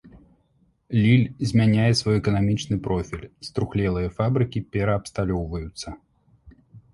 Ліль змяняе свой эканамічны профіль, струхлелыя фабрыкі пераабсталёўваюцца.